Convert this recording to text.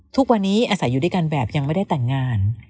ทุกวันนี้อาศัยอยู่ด้วยกันแบบยังไม่ได้แต่งงาน